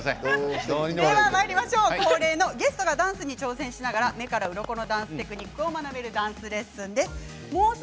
ゲストがダンスに挑戦しながら目からうろこのダンステクニックを学べるダンスレッスンです。